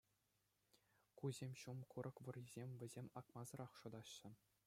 Кусем ҫум курӑк вӑррисем, вӗсем акмасӑрах шӑтаҫҫӗ.